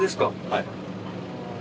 はい。